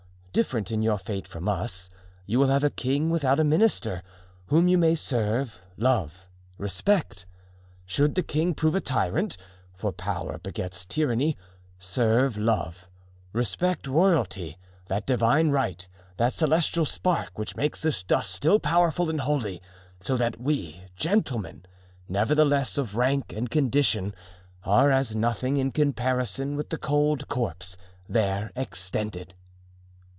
Different in your fate from us, you will have a king without a minister, whom you may serve, love, respect. Should the king prove a tyrant, for power begets tyranny, serve, love, respect royalty, that Divine right, that celestial spark which makes this dust still powerful and holy, so that we—gentlemen, nevertheless, of rank and condition—are as nothing in comparison with the cold corpse there extended."